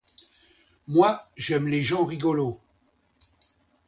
Moi, j'aime les gens rigolos.